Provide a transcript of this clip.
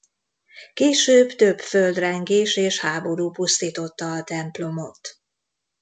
Később több földrengés és háború pusztította a templomot.